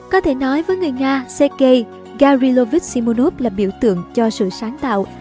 có thể nói với người nga xe gay garrylovich simonov là biểu tượng cho sự sáng tạo